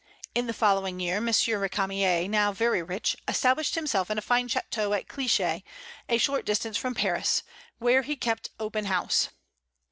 In the following year M. Récamier, now very rich, established himself in a fine chateau at Clichy, a short distance from Paris, where he kept open house.